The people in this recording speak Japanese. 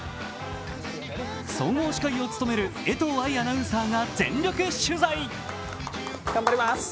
総合司会を務める江藤愛アナウンサーが全力取材。